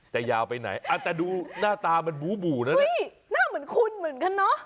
ยาวไปไหนอ่ะแต่ดูหน้าตามันบูบูนะสิหน้าเหมือนคุณเหมือนกันเนอะ